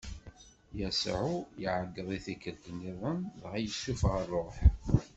Yasuɛ iɛeggeḍ i tikkelt-nniḍen dɣa yessufeɣ ṛṛuḥ.